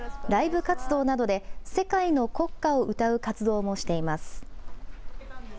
ライブ活動などで世界の国歌を歌う活動もしています。